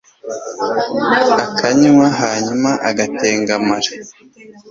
akanywa hanyuma agatengamara